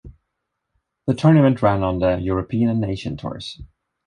The tournament ran on the European and Asian Tours.